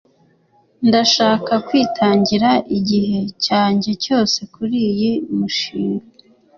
ndashaka kwitangira igihe cyanjye cyose kuriyi mushinga